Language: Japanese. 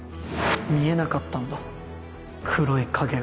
見えなかったんだ黒い影が